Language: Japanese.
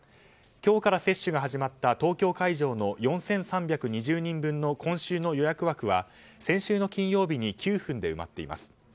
今日から接種が始まった東京会場の４３２０人分の今週の予約枠は先週の金曜日に９分で埋まっています。